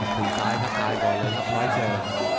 ถูกท้ายถูกท้ายก่อนเลยครับพลอยเซอร์